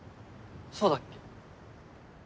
そうだっけ？